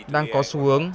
đang có xu hướng